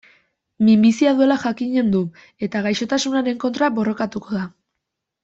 Minbizia duela jakinen du, eta gaixotasunaren kontra borrokatuko da.